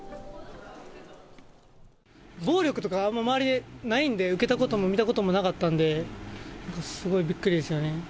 暴力とかあまり周りでないんで、受けたことも見たこともなかったんで、なんかすごいびっくりですよね。